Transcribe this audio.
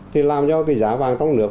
thì làm cho cái giá vàng trong nước